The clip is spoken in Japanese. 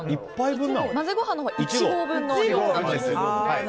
混ぜご飯は１合分の量です。